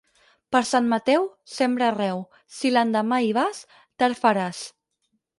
Per Sant Mateu, sembra arreu; si l'endemà hi vas, tard faràs.